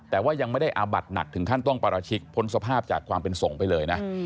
แต่ว่ายังไม่ได้อาบัดหนักถึงขั้นต้องปราชิกพ้นสภาพจากความเป็นส่งไปเลยนะ